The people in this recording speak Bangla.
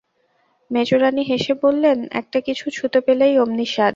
মেজোরানী হেসে বললেন, একটা কিছু ছুতো পেলেই অমনি সাজ।